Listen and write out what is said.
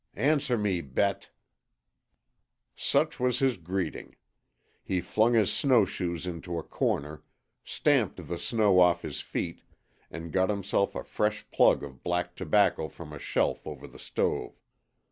Answer me, Bete!" Such was his greeting. He flung his snowshoes into a corner, stamped the snow off his feet, and got himself a fresh plug of black tobacco from a shelf over the stove.